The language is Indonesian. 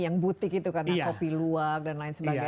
yang butik itu karena kopi luwak dan lain sebagainya